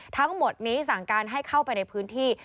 ทั้งหมดนี้สั่งการให้เข้าไปในพื้นที่